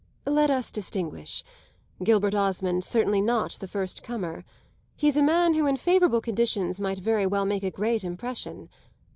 "Let us distinguish. Gilbert Osmond's certainly not the first comer. He's a man who in favourable conditions might very well make a great impression.